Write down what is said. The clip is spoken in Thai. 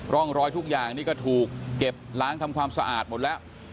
ร่องรอยทุกอย่างนี่ก็ถูกเก็บล้างทำความสะอาดหมดแล้ว